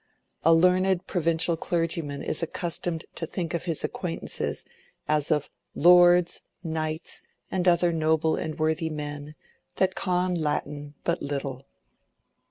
A learned provincial clergyman is accustomed to think of his acquaintances as of "lords, knyghtes, and other noble and worthi men, that conne Latyn but lytille."